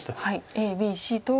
ＡＢＣと。